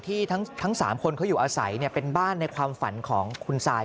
ที่ทั้ง๓คนเขาอยู่อาศัยเป็นบ้านในความฝันของคุณซาย